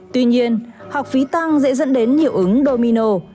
tuy nhiên học phí tăng dễ dẫn đến hiệu ứng domino